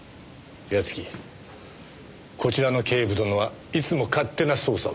岩月こちらの警部殿はいつも勝手な捜査をする。